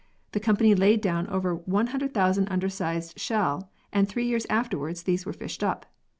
The company laid down over 100,000 undersized shell and three years afterwards these were fished up.